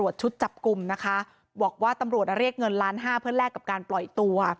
ชุดจับกลุ่มนะคะบอกว่าตำรวจเรียกเงินล้านห้าเพื่อแลกกับการปล่อยตัว